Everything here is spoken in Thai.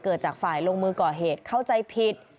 จากฝ่ายลงมือก่อเหตุเข้าใจผิด